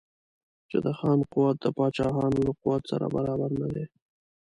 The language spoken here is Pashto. چې د خان قوت د پاچاهانو له قوت سره برابر نه دی.